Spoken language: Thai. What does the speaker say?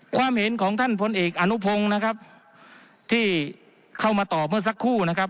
ความเห็นของท่านพลเอกอนุพงศ์นะครับที่เข้ามาตอบเมื่อสักครู่นะครับ